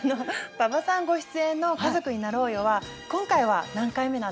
馬場さんご出演の「家族になろうよ」は今回は何回目なんですか？